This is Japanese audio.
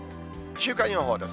週間予報です。